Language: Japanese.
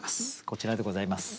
こちらでございます。